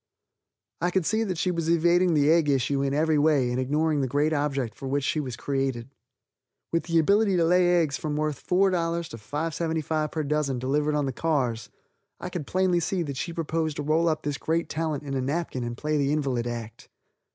I could see that she was evading the egg issue in every way and ignoring the great object for which she was created. With the ability to lay eggs worth from $4 to $5.75 per dozen delivered on the cars, I could plainly see that she proposed to roll up this great talent in a napkin and play the invalid act.